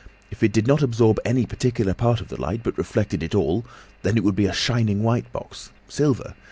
If it did not absorb any particular part of the light, but reflected it all, then it would be a shining white box. Silver!